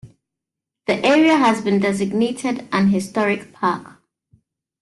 The area has been designated an historic park.